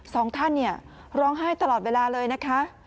สองท่านเนี่ยร้องไห้ตลอดเวลาเลยนะคะ